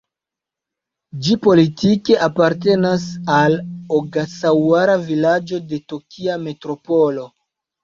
Ĝi politike apartenas al Ogasaŭara-vilaĝo de Tokia Metropolo.